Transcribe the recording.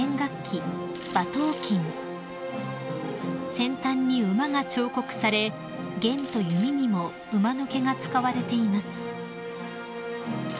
［先端に馬が彫刻され弦と弓にも馬の毛が使われています］